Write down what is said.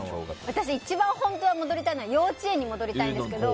私一番本当は戻りたいのは幼稚園なんですけど。